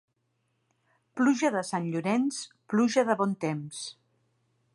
Pluja de Sant Llorenç, pluja de bon temps.